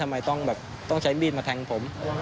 ทำไมต้องแบบต้องใช้มีดมาแทงผม